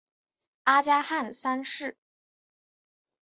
阿加汗三世。